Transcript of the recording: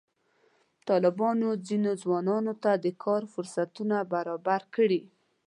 طالبانو ځینو ځوانانو ته د کار فرصتونه برابر کړي.